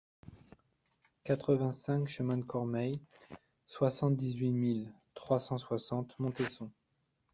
quatre-vingt-cinq chemin de Cormeilles, soixante-dix-huit mille trois cent soixante Montesson